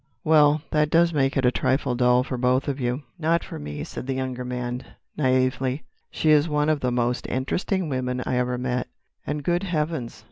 "Well, that does make it a trifle dull for you both." "Not for me," said the younger man naïvely. "She is one of the most interesting women I ever met. And good heavens!